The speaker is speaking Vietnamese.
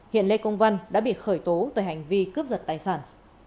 hiện lê công văn đã bị khởi tố về hành vi cướp giật tài sản